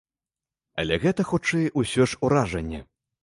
Але гэта, хутчэй, усё ж уражанне.